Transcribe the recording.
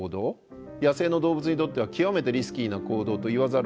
野生の動物にとっては極めてリスキーな行動と言わざるをえない。